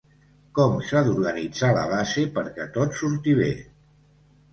Com s’ha d’organitzar la base perquè tot surti bé?